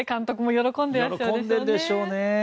喜んでるでしょうね。